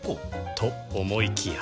と思いきや